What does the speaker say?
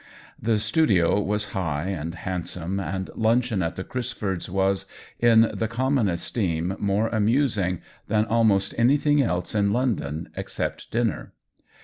The studio was high and handsome, and luncheon at the Crisfords' was, in the common esteem, more amusing than almost anything else in London except dinner.